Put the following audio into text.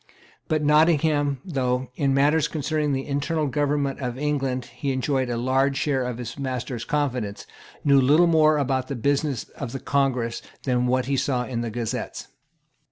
But Nottingham, though, in matters concerning the internal government of England, he enjoyed a large share of his master's confidence, knew little more about the business of the Congress than what he saw in the Gazettes.